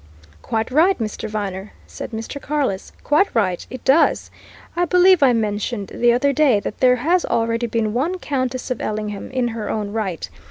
"Quite right, Mr. Viner," said Mr. Carless. "Quite right. It does! I believe I mentioned the other day that there has already been one Countess of Ellingham in her own right.